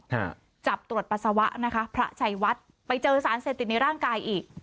ฮะจับตรวจปัสสาวะนะคะพระชัยวัดไปเจอสารเสพติดในร่างกายอีก